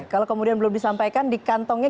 kalau kemudian belum disampaikan di kantongnya